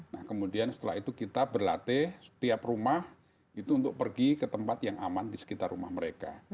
nah kemudian setelah itu kita berlatih setiap rumah itu untuk pergi ke tempat yang aman di sekitar rumah mereka